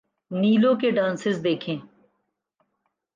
نیلو کے ڈانسز دیکھیں۔